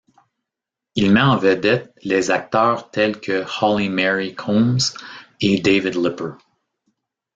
Il met en vedette les acteurs tel que Holly Marie Combs et David Lipper.